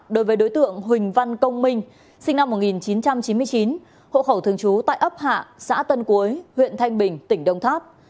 đối với đối tượng huỳnh văn công minh sinh năm một nghìn chín trăm chín mươi chín hộ khẩu thường trú tại ấp hạ xã tân cuối huyện thanh bình tỉnh đông tháp